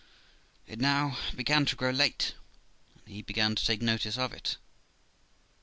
It now began to grow late, and he began to take notice of it.